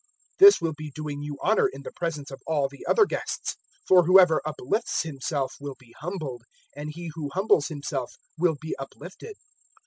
This will be doing you honour in the presence of all the other guests. 014:011 For whoever uplifts himself will be humbled, and he who humbles himself will be uplifted.